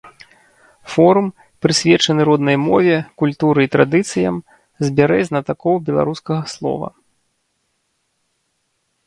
Форум, прысвечаны роднай мове, культуры і традыцыям, збярэ знатакоў беларускага слова.